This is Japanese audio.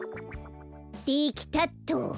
できたっと。